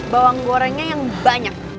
bawang gorengnya yang banyak